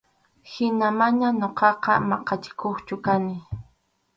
Hina mana ñuqaqa maqachikuqchu kani.